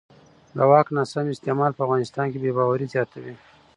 د واک ناسم استعمال په افغانستان کې بې باورۍ زیاتوي